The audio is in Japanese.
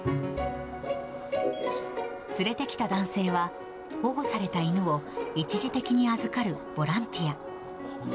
連れてきた男性は、保護された犬を一時的に預かるボランティア。